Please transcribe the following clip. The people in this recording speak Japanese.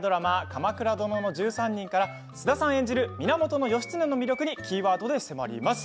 「鎌倉殿の１３人」から菅田さん演じる源義経の魅力にキーワードで迫ります。